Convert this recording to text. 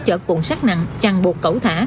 chở cuộn xác nặng chằn buộc cẩu thả